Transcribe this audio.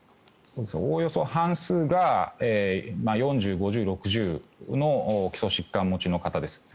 おおよそ半数が４０、５０、６０の基礎疾患持ちの方です。